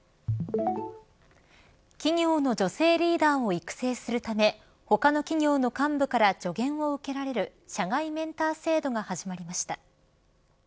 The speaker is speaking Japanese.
企業の女性リーダーを育成するため他の企業の幹部から助言を受けられる社外メンター制度が始まりました。